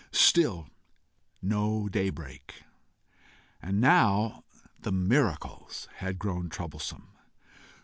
Still no daybreak and now the miracles had grown troublesome!